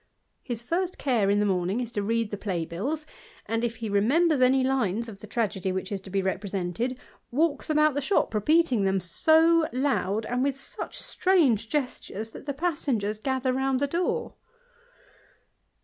His first care in the )ming is to read the play bills ; and, if he remembers any es of the tragedy which is to be represented, walks about • shop repeating them so loud, and with such strange stures, that the passengers gather round the door.